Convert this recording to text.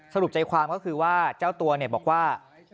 สรุปใจความก็คือว่าเจ้าตัวบอกว่า